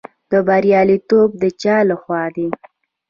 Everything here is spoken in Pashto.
بریالیتوب د چا لخوا دی؟